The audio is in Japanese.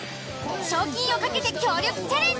賞金を懸けて協力チャレンジ。